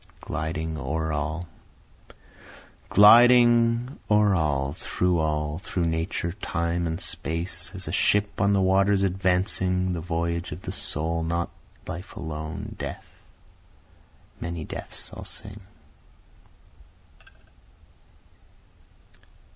Gliding O'er all Gliding o'er all, through all, Through Nature, Time, and Space, As a ship on the waters advancing, The voyage of the soul not life alone, Death, many deaths I'll sing.